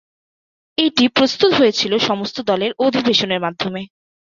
এইটি প্রস্তুত করা হয়েছিল সমস্ত দলের অধিবেশনের মাধ্যমে।